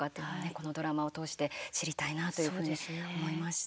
このドラマを通して知りたいなというふうに思いました。